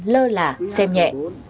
lơ lả xem nhẹ